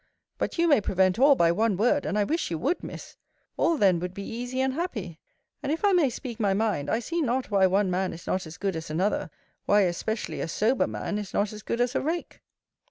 But you may prevent all, by one word: and I wish you would, Miss. All then would be easy and happy. And, if I may speak my mind, I see not why one man is not as good as another: why, especially, a sober man is not as good as a rake.